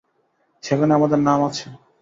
সেখানে আমাদের নাম আছে।